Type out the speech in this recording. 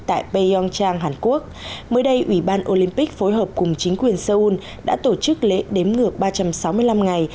tại payong trang hàn quốc mới đây ủy ban olympic phối hợp cùng chính quyền seoul đã tổ chức lễ đếm ngược ba trăm sáu mươi năm ngày